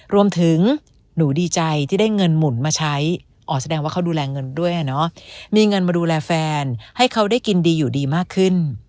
รวมถึงหนูดีใจที่ได้เงินหมุนมาใช้อ๋อแสดงว่าเขาดูแลเงินด้วยมีเงินมาดูแลแฟนให้เขาได้กินดีอยู่ดีมากขึ้น